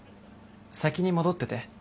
先に戻ってて。